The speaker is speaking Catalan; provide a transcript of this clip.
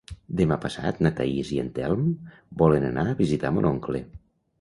Demà passat na Thaís i en Telm volen anar a visitar mon oncle.